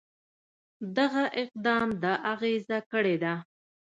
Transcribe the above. دغه اقدام د اغېزه کړې ده.